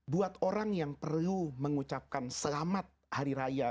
buat orang yang perlu mengucapkan selamat hari raya